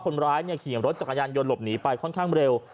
คนร้ายขี่รถจักรยานยนต์หลบหนีไปค่อนข้างเร็ว